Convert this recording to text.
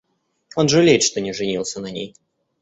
Он жалеет, что не женился на ней.